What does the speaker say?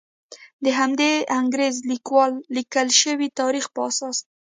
د همدې انګریز لیکوالو لیکل شوي تاریخ په اساس.